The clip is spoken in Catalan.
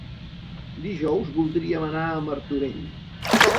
Dijous voldríem anar a Martorell.